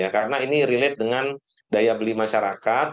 karena ini relate dengan daya beli masyarakat